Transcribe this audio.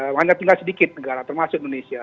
banyak juga sedikit negara termasuk indonesia